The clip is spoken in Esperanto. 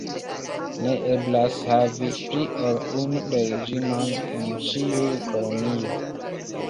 Ne eblas havi pli ol unu reĝinon en ĉiu kolonio.